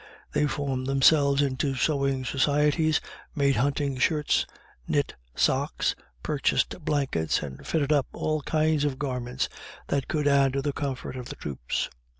They formed themselves into sewing societies, made hunting shirts, knit socks, purchased blankets and fitted up all kinds of garments that could add to the comfort of the troops.